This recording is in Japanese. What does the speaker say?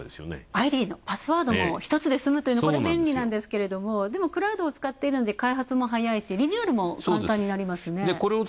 ＩＤもパスワードも１つで済むというのがこれ、便利なんですけどもクラウドを使っているので開発も早いし、リニューアルも簡単になりますね。